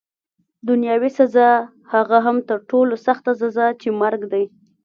دنیاوي سزا، هغه هم تر ټولو سخته سزا چي مرګ دی.